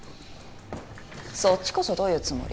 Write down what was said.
そっちこそどういうつもり？